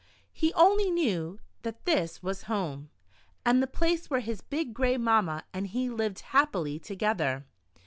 He only knew that this was home, and the place where his big gray mamma and he lived happily to gether.